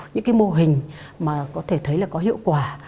những cái mô hình mà có thể thấy là có hiệu quả